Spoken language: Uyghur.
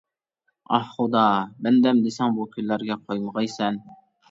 ئاھ خۇدا، بەندەم دېسەڭ بۇ كۈنلەرگە قويمىغايسەن!